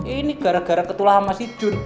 ini gara gara ketulah sama si jun